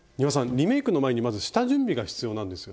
リメイクの前にまず下準備が必要なんですよね。